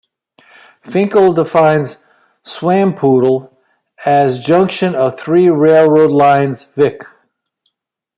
Finkel defines Swampoodle as Junction of three railroad lines, vic.